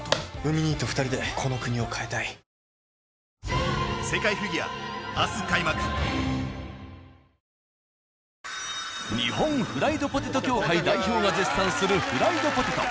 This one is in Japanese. ぷはーっ日本フライドポテト協会代表が絶賛するフライドポテト。